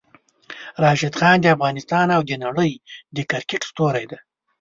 راشد خان د افغانستان او د نړۍ د کرکټ ستوری ده!